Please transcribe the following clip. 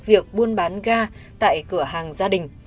việc buôn bán gà tại cửa hàng gia đình